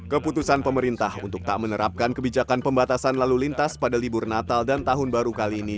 keputusan pemerintah untuk tak menerapkan kebijakan pembatasan lalu lintas pada libur natal dan tahun baru kali ini